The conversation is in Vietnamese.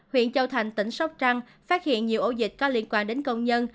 huyện châu thành tỉnh sóc trăng phát hiện nhiều ổ dịch có liên quan đến công nhân